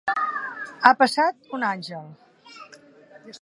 Ha passat un àngel.